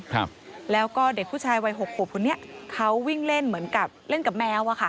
ครับแล้วก็เด็กผู้ชายวัยหกขวบคนนี้เขาวิ่งเล่นเหมือนกับเล่นกับแมวอ่ะค่ะ